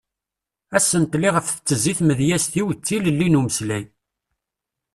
Asentel iɣef tettezzi tmedyezt-iw d tilelli n umeslay.